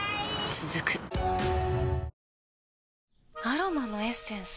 続くアロマのエッセンス？